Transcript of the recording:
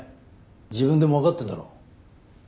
自分でも分かってんだろ？